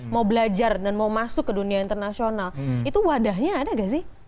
mau belajar dan mau masuk ke dunia internasional itu wadahnya ada gak sih